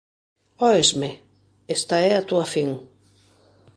Óesme? Esta é a túa fin.